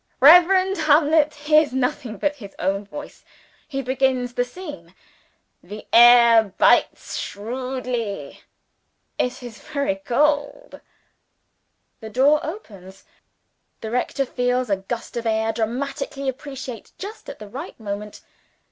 Reverend Hamlet hears nothing but his own voice. He begins the scene: "The air bites shrewdly. It is very cold." The door opens. The rector feels a gust of air, dramatically appropriate, just at the right moment.